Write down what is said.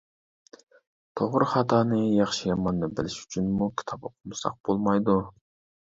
توغرا-خاتانى، ياخشى-ياماننى بىلىش ئۈچۈنمۇ كىتاب ئوقۇمىساق بولمايدۇ.